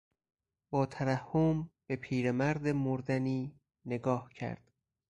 با ترحم به پیرمرد مردنی نگاه کرد.